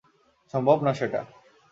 সম্ভব না সেটা।